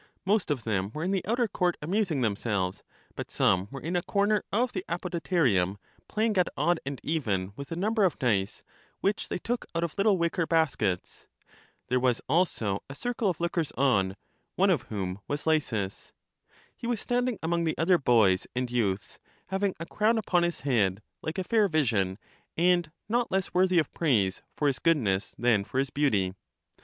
Most of them were in the outer court amusing themselves; but some were in a corner of the Apodyterium play ing at odd and even with a number of dice, which they took out of little wicker baskets. There was also a circle of lookers on, one of whom was Lysis. He was standing among the other boys and youths, having a crown upon his head, like a fair vision, and not less worthy of praise for his goodness than for his beauty.